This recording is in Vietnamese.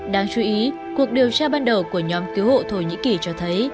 đáng chú ý cuộc điều tra ban đầu của nhóm cứu hộ thổ nhĩ kỳ cho thấy